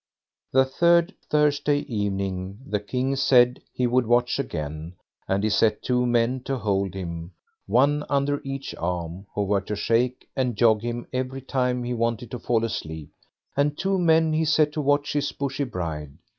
The third Thursday evening the King said he would watch again; and he set two men to hold him, one under each arm, who were to shake and jog him every time he wanted to fall asleep; and two men he set to watch his Bushy Bride.